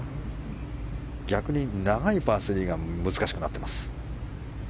逆に長いパー３が難しくなっています。